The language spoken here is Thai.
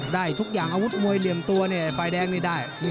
ได้ทุกอย่างอาวุธมวยเลยเหลี่ยมตัวเนี่ย